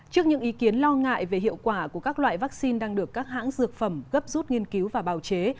trước những ý kiến lo ngại về hiệu quả của các loại vaccine đang được các hãng dược phẩm gấp rút nghiên cứu và bào chế